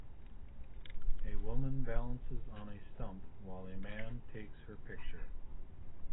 A woman balances on a stump while a man takes her picture.